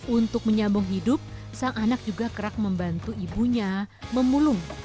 untuk menyambung hidup sang anak juga kerap membantu ibunya memulung